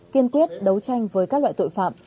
kiên quyết đấu tranh với các loại tội phạm